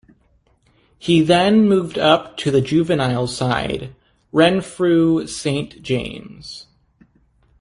He then moved up to the juvenile side, Renfrew Saint James.